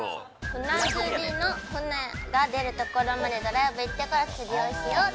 船釣りの船が出る所までドライブ行ってから釣りをしようって。